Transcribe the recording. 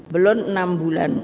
belum enam bulan